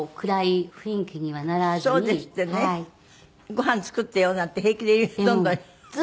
「ご飯作ってよ」なんて平気で言うどんどん。